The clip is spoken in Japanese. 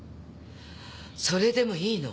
それでもいいの。